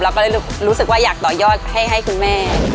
ก็เลยรู้สึกว่าอยากต่อยอดให้คุณแม่